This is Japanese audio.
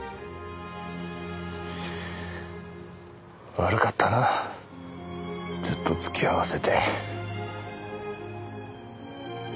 悪かったなずっと付き合わせて。